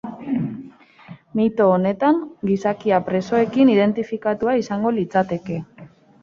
Mito honetan, gizakia presoekin identifikatua izango litzateke.